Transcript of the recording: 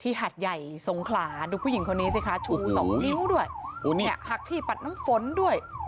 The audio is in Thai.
หัดใหญ่สงขลาดูผู้หญิงคนนี้สิคะชูสองนิ้วด้วยเนี่ยหักที่ปัดน้ำฝนด้วย